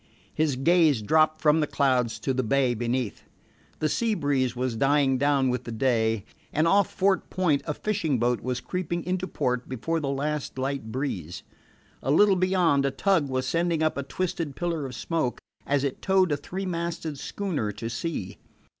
His gaze dropped from the clouds to the bay beneath. The sea breeze was dying down with the day, and off Fort Point a fishing boat was creeping into port before the last light breeze. A little beyond, a tug was sending up a twisted pillar of smoke as it towed a three masted schooner to sea.